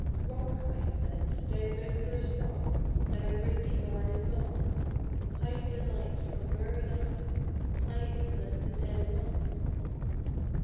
" Rock," I said, " thy ribs are strong, That I bring thee guard it long; Hide the light from buried eyes — Hide it, lest the dead arise."